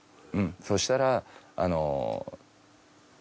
そしたら。